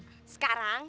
kalau itu pendek apaan kak